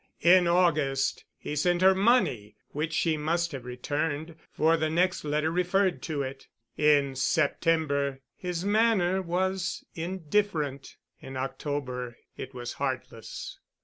In August he sent her money—which she must have returned—for the next letter referred to it. In September his manner was indifferent—in October it was heartless.